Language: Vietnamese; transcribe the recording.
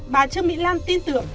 bà trương mỹ lan tin tưởng